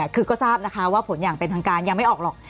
คือก็ทราบนะคะว่าผลอย่างเป็นทางการยังไม่ออกหรอก